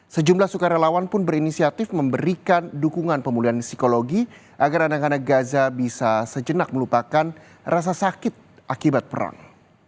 sejumlah sukarelawan pun berinisiatif memberikan dukungan pemulihan psikologi agar anak anak gaza bisa sejenak melupakan rasa sakit akibat perang